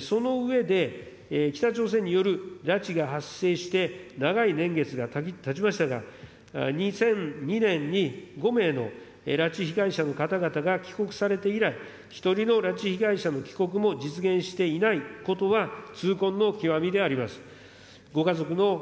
その上で、北朝鮮による拉致が発生して長い年月が経ちましたが、２００２年に５名の拉致被害者の方々が帰国されて以来、１人の拉致被害者の帰国も実現していないことは、痛恨の極みであります。